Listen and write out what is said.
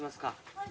はい。